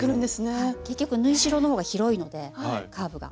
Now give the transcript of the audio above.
結局縫い代の方が広いのでカーブが。